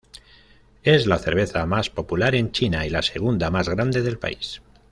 Es la cerveza más popular en China y la segunda más grande del país.